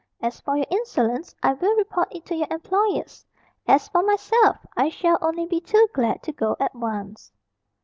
As for your insolence, I will report it to your employers. As for myself, I shall only be too glad to go at once."